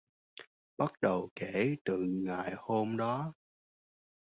Bắt đầu kể từ ngày hôm đó